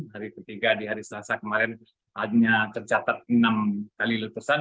hari ketiga di hari selasa kemarin hanya tercatat enam kali letusan